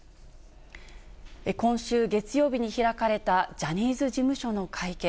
今週月曜日に開かれたジャニーズ事務所の会見。